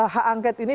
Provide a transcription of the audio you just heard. hak angket ini